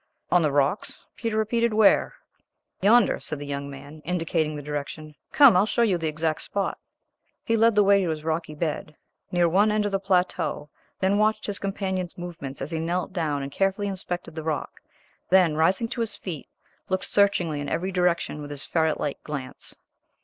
"On the rocks!" Peter repeated; "where?" "Yonder," said the young man, indicating the direction; "come, I will show you the exact spot." He led the way to his rocky bed, near one end of the plateau, then watched his companion's movements as he knelt down and carefully inspected the rock, then, rising to his feet, looked searchingly in every direction with his ferret like glance.